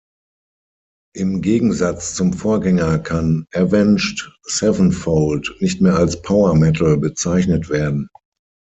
Im Gegensatz zum Vorgänger kann „Avenged Sevenfold“ nicht mehr als Power Metal bezeichnet werden.